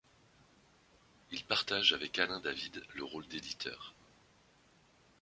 Il partage avec Alain David le rôle d'éditeur.